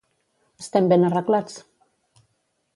Estem ben arreglats!